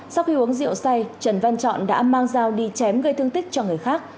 sau khi uống rượu say trần văn trọng đã mang dao đi chém gây thương tích cho người khác